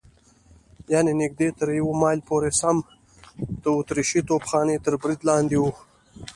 یعنې نږدې تر یوه مایل پورې سم د اتریشۍ توپخانې تر برید لاندې و.